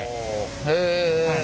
へえ。